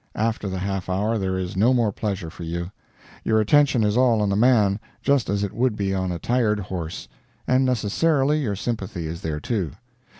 After the half hour there is no more pleasure for you; your attention is all on the man, just as it would be on a tired horse, and necessarily your sympathy is there too.